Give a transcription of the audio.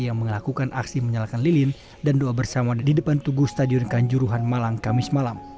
yang melakukan aksi menyalakan lilin dan doa bersama di depan tugu stadion kanjuruhan malang kamis malam